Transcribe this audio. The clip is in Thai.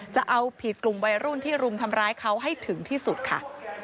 จะเอาผิดกลุ่มวัยรุ่นที่รุมทำร้ายเขาให้ถึงที่สุดค่ะ